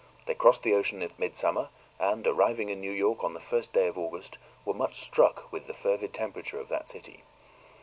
They crossed the ocean at midsummer, and, arriving in New York on the first day of August, were much struck with the fervid temperature of that city.